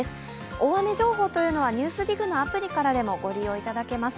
大雨情報というのは「ＮＥＷＳＤＩＧ」のアプリからもご覧いただくことができます。